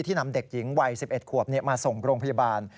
นำเด็กหญิงวัย๑๑ขวบมาส่งโรงพยาบาล